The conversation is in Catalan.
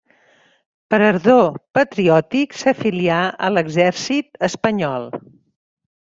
Per ardor patriòtic s'afilià a l'exèrcit espanyol.